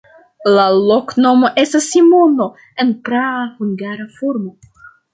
La loknomo estas Simono en praa hungara formo.